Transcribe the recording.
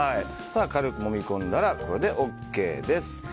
軽くもみ込んだらこれでＯＫです。